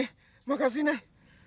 terima kasih neng